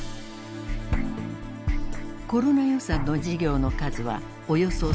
コロナ予算の事業の数はおよそ１，０００。